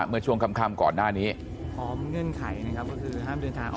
เมื่อช่วงค่ำก่อนหน้านี้พร้อมเงื่อนไขนะครับก็คือห้ามเดินทางออก